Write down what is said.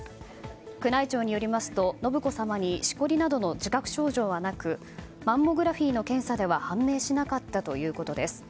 宮内庁によりますと信子さまにしこりなどの自覚症状はなくマンモグラフィーの検査では判明しなかったということです。